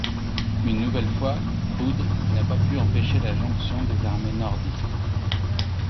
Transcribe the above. Une nouvelle fois, Hood n'a pas pu empêcher la jonction des armées nordistes.